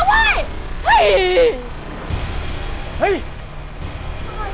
ทหาร